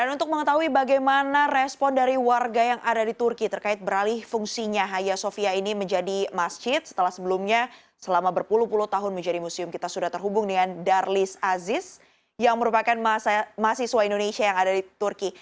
untuk mengetahui bagaimana respon dari warga yang ada di turki terkait beralih fungsinya haya sofia ini menjadi masjid setelah sebelumnya selama berpuluh puluh tahun menjadi museum kita sudah terhubung dengan darlis aziz yang merupakan mahasiswa indonesia yang ada di turki